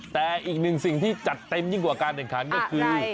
แต่อีกหนึ่งสิ่งที่จัดเต็มยิ่งกว่าการแข่งขันก็คือ